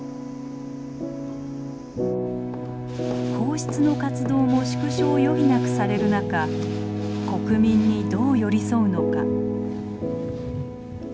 皇室の活動も縮小を余儀なくされる中国民にどう寄り添うのか。